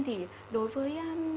thì đối với